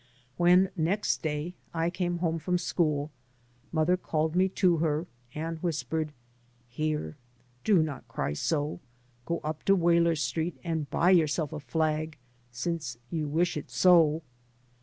When, next day, I came home from school, mother called me to her and whis pered, " Here 1 Do not cry so. Go up to Waler Street and buy yourself a flag, since you wish it so."